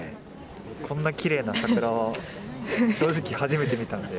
こんな、きれいな桜を正直、初めて見たんで。